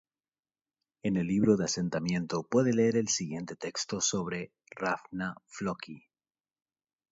En el libro de asentamiento puede leer el siguiente texto sobre Hrafna-Flóki.